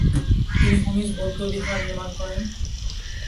তিনি হেমিস বৌদ্ধবিহার নির্মাণ করেন।